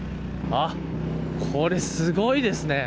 これ、すごいですね。